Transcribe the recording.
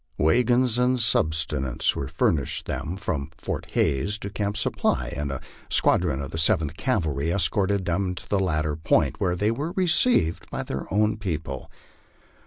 Wagons and subsistence were furnished them from Fort Hays to Camp Supply, and a squadron of the Seventh Cavalry escorted them to the latter point, where they were received by their own people.